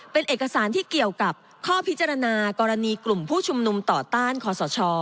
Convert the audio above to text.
เป็นเอกสารที่เกี่ยวกับข้อพิจารณากรณีกลุ่มผู้ชุมนุมต่อต้านคอสช